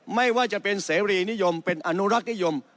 ไม่ว่าจะเป็นเสรีนิยมเป็นอนุรักษ์นิยม